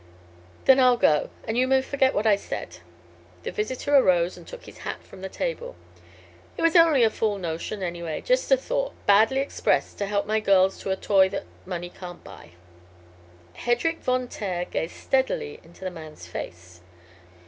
"Then I'll go, and you may forget what I've said." The visitor arose and took his hat from the table. "It was only a fool notion, anyway; just a thought, badly expressed, to help my girls to a toy that money can't buy." Hedrik Von Taer gazed steadily into the man's face.